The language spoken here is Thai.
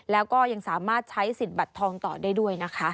แล้วก็ยังสามารถใช้สิทธิ์บัตรทองต่อได้ด้วยนะคะ